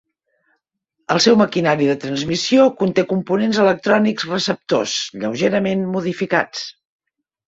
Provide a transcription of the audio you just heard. El seu maquinari de transmissió conté components electrònics receptors lleugerament modificats.